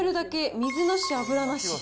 水なし油なし。